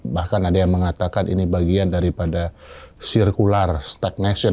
bahkan ada yang mengatakan ini bagian daripada circular stagnation